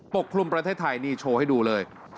คลุมประเทศไทยนี่โชว์ให้ดูเลย